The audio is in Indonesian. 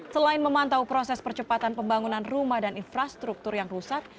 selain memantau proses percepatan pembangunan rumah dan infrastruktur yang rusak